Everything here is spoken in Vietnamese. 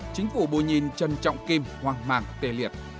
chính phủ bồi nhìn trân trọng kim hoang mạng tê liệt